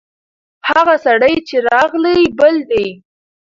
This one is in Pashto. هغه سړی چې راغلی، بل دی.